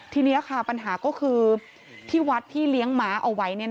ทีนี้ค่ะปัญหาก็คือที่วัดที่เลี้ยงม้าเอาไว้